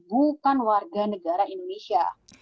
bukan warga negara indonesia